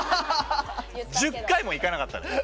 １０回もいかなかったのよ。